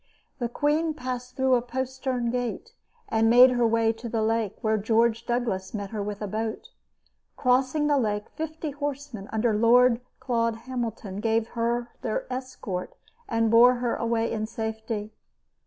The queen passed through a postern gate and made her way to the lake, where George Douglas met her with a boat. Crossing the lake, fifty horsemen under Lord Claude Hamilton gave her their escort and bore her away in safety.